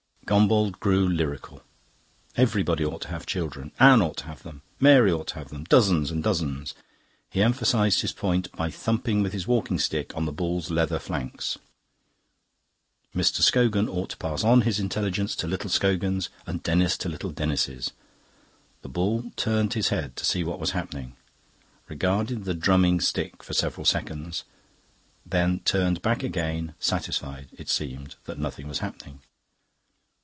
Gombauld grew lyrical. Everybody ought to have children Anne ought to have them, Mary ought to have them dozens and dozens. He emphasised his point by thumping with his walking stick on the bull's leather flanks. Mr. Scogan ought to pass on his intelligence to little Scogans, and Denis to little Denises. The bull turned his head to see what was happening, regarded the drumming stick for several seconds, then turned back again satisfied, it seemed, that nothing was happening.